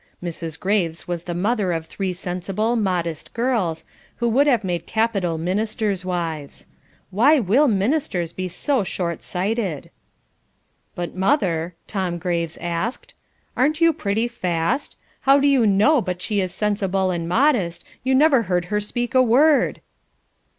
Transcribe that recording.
Mrs. Graves was the mother of three sensible, modest girls, who would have made capital ministers' wives. Why will ministers be so shortsighted? "But, mother," Tom Graves asked, "aren't you pretty fast? How do you know but she is sensible and modest; you never heard her speak a word?"